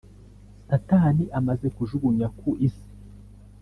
Satani amaze kujugunywa ku isi